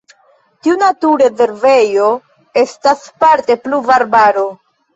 Tiu naturrezervejo estas parte pluvarbaro.